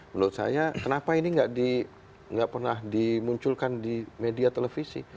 menurut saya kenapa ini tidak pernah dimunculkan di media televisi